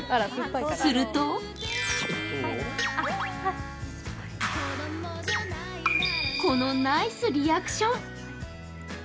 するとこのナイスリアクション。